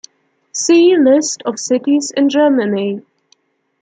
"See List of cities in Germany"